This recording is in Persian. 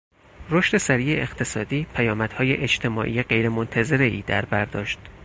رشد سریع اقتصادیپیامدهای اجتماعی غیر منتظرهای دربر داشت.